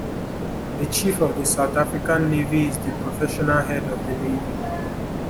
The Chief of the South African Navy is the professional head of the Navy.